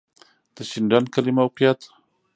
د شینډنډ کلی موقعیت